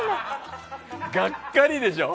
がっかりでしょ？